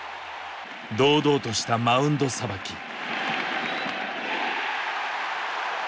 堂々としたマウンドさばき。